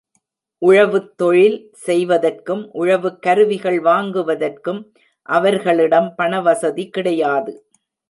உழவுத் தொழில் செய்வதற்கும், உழவுக் கருவிகள் வாங்குவதற்கும் அவர்களிடம் பணவசதி கிடையாது.